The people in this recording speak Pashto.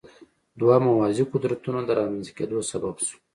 دوه موازي قدرتونو د رامنځته کېدو سبب شو.